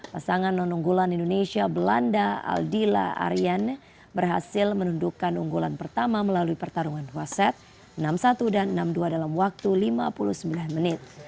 pasangan non unggulan indonesia belanda aldila arian berhasil menundukkan unggulan pertama melalui pertarungan dua set enam satu dan enam dua dalam waktu lima puluh sembilan menit